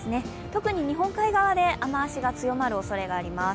特に日本海側で雨足が強まるおそれがあります。